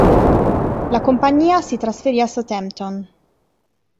La compagnia si trasferì a Southampton.